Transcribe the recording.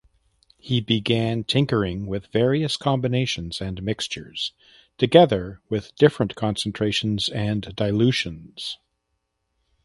He began tinkering with various combinations and mixtures together with different concentrations and dilutions.